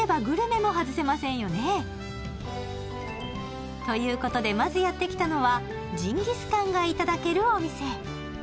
も外せませんよねということでまずやってきたのはジンギスカンがいただけるお店